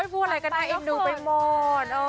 พูดอะไรกันให้หนูไปหมด